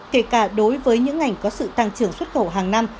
kể cả đối với những ngành có sự tăng trưởng xuất khẩu hàng năm